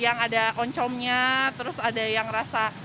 yang ada oncomnya terus ada yang rasa